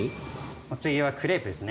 お次はクレープですね。